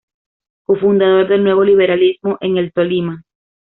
Cofundador del Nuevo Liberalismo en el Tolima.